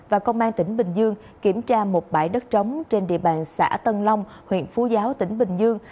và công an tỉnh bình dương kiểm tra một bãi đất trống trên địa bàn xã tân long huyện phú giáo tỉnh bình dương